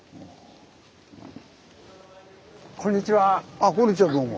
あっこんにちはどうも。